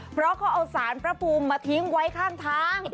เพราะเขาเอาสารพระภูมิมาทิ้งไว้ข้างทาง